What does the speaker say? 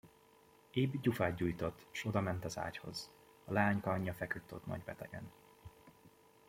Ib gyufát gyújtott, s odament az ágyhoz: a leányka anyja feküdt ott nagybetegen.